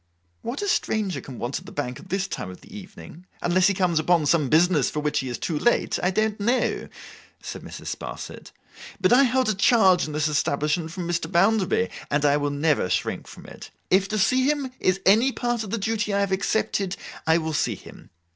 'What a stranger can want at the Bank at this time of the evening, unless he comes upon some business for which he is too late, I don't know,' said Mrs. Sparsit, 'but I hold a charge in this establishment from Mr. Bounderby, and I will never shrink from it. If to see him is any part of the duty I have accepted, I will see him.